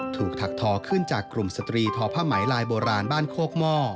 ถักทอขึ้นจากกลุ่มสตรีทอผ้าไหมลายโบราณบ้านโคกหม้อ